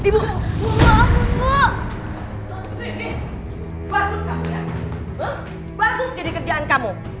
bagus jadi kerjaan kamu